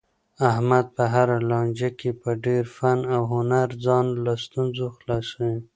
احمد په هره لانجه کې په ډېر فن او هنر ځان له ستونزو خلاصوي.